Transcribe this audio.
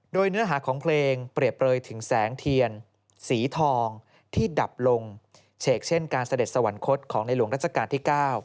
โดยเนื้อหาของเพลงเปรียบเปลยถึงแสงเทียนสีทองที่ดับลงเฉกเช่นการเสด็จสวรรคตของในหลวงรัชกาลที่๙